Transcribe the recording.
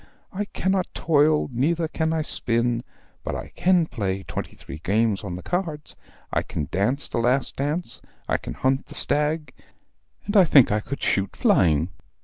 I cannot toil, neither can I spin, but I can play twenty three games on the cards. I can dance the last dance, I can hunt the stag, and I think I could shoot flying.